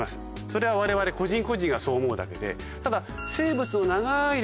それはわれわれ個人個人がそう思うだけでただ長い。